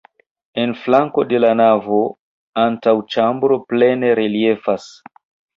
En flanko de la navo antaŭĉambro plene reliefas.